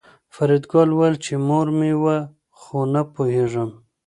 فریدګل وویل چې مور مې وه خو نه پوهېږم